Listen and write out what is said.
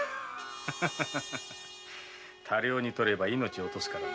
多量にとれば命を落とすからな。